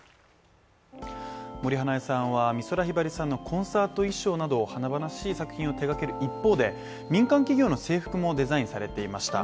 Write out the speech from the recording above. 森英恵さんは美空ひばりさんのコンサート衣装など華々しい作品を手がける一方で、民間企業の制服もデザインされていました。